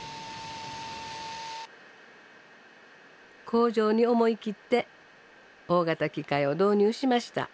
工場に思い切って大型機械を導入しました。